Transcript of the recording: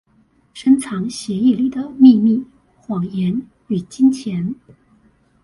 深藏血液裡的祕密、謊言與金錢